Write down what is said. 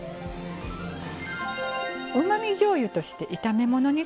うまみじょうゆとして炒め物に使います。